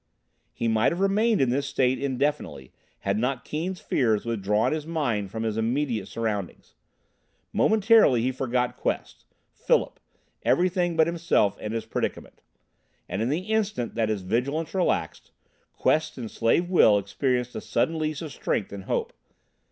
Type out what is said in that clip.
He might have remained in this state indefinitely had not Keane's fears withdrawn his mind from his immediate surroundings. Momentarily he forgot Quest, Philip everything but himself and his predicament. And in the instant that his vigilance relaxed, Quest's enslaved will experienced a sudden lease of strength and hope.